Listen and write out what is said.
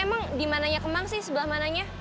emang di mananya kemang sih sebelah mananya